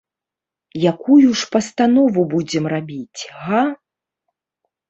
Якую ж пастанову будзем рабіць, га?